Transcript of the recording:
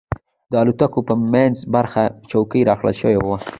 د الوتکې په منځۍ برخه کې چوکۍ راکړل شوې وه.